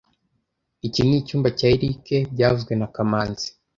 Iki ni icyumba cya Eric byavuzwe na kamanzi